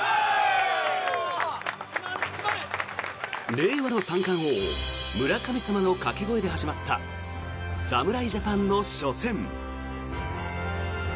令和の三冠王、村神様の掛け声で始まった侍ジャパンの初戦。